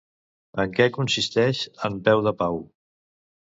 En què consisteix En Peu de Pau?